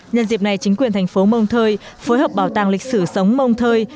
nhân dịp này chính quyền thành phố montreux phối hợp bảo tàng lịch sử sống montreux